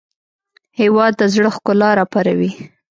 هېواد د زړه ښکلا راپاروي.